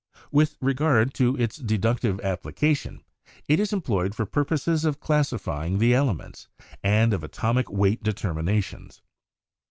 With regard to its deductive appli cation, it is employed for purposes of classifying the ele ments and of atomic weight determinations.